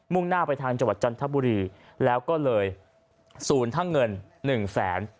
่งหน้าไปทางจังหวัดจันทบุรีแล้วก็เลยศูนย์ทั้งเงินหนึ่งแสน